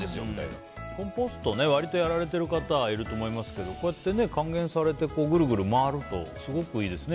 コンポスト割とやられている方いると思いますけどこうやって還元されてぐるぐる回るとすごくいいですね。